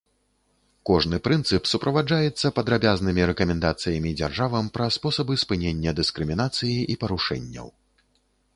Кожны прынцып суправаджаецца падрабязнымі рэкамендацыямі дзяржавам пра спосабы спынення дыскрымінацыі і парушэнняў.